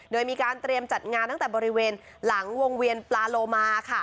โดยมีการเตรียมจัดงานตั้งแต่บริเวณหลังวงเวียนปลาโลมาค่ะ